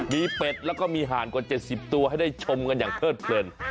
มีเป็ดแล้วก็มีห่านกว่า๗๐ตัวให้ได้ชมกันอย่างเลิดเพลิน